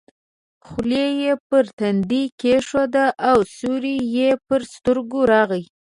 خولۍ یې پر تندي کېښوده او سیوری یې پر سترګو راغی.